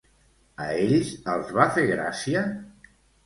A ells els va fer gràcia?